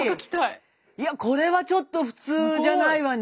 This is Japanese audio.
いやこれはちょっと普通じゃないわね。